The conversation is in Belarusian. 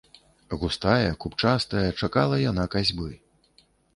Густая, купчастая, чакала яна касьбы.